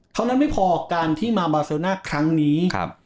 เท่านั้นไม่พอการที่มาบาเซลน่าครั้งนี้ครับ